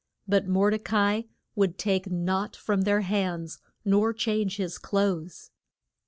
But Mor de ca i would take nought from their hands, nor change his clothes.